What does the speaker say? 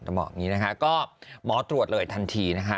หมอตรวจเลยทันที